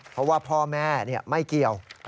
เพราะว่าพ่อแม่ไม่เกี่ยว